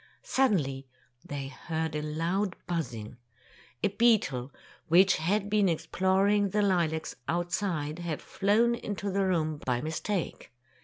Suddenly they heard a loud buzzing. A beetle which had been exploring the lilacs outside had flown into the room by mistake.